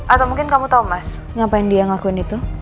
atau mungkin kamu tahu mas ngapain dia ngelakuin itu